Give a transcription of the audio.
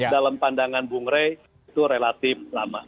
dalam pandangan bung rey itu relatif lama